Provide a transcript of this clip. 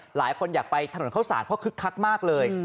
หลายคนอยากไปถนนเข้าสารเพราะคึกคักมากเลย